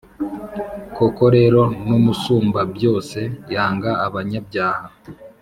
Koko rero, n’Umusumbabyose yanga abanyabyaha,